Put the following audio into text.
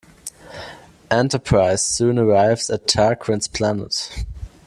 "Enterprise" soon arrives at Tarquin's planet.